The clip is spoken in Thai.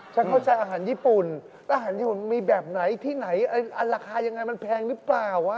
เข้าใจอาหารญี่ปุ่นอาหารญี่ปุ่นมีแบบไหนที่ไหนราคายังไงมันแพงหรือเปล่า